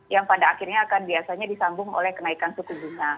yang pada akhirnya akan biasanya disambung oleh kenaikan suku bunga